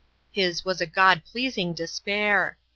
His was a God pleasing despair.